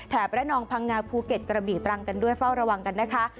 ระนองพังงาภูเก็ตกระบี่ตรังกันด้วยเฝ้าระวังกันนะคะ